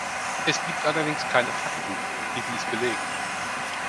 Es gibt allerdings keine Fakten, die dies belegen.